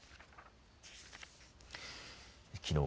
きのう